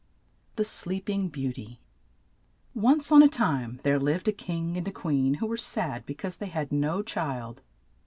THE SLEEPING BEAUTY ONCE on a time there lived a king and a queen who were sad be cause they had no child.